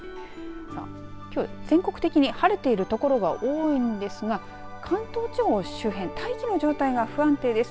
きょう、全国的に晴れている所が多いんですが関東地方周辺大気の状態が不安定です。